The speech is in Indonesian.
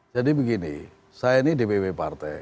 jadi begini saya ini dpp partai